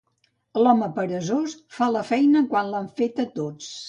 L'home peresós fa la feina quan l'han feta tots.